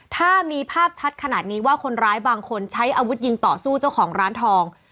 ถ้ามีภาพชัดขนาดนี้ว่าคนร้ายบางคนใช้อาวุธยิงต่อสู้เจ้าของร้านทอง